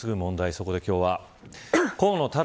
そこで今日は河野太郎